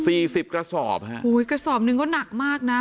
สิบกระสอบฮะอุ้ยกระสอบหนึ่งก็หนักมากน่ะ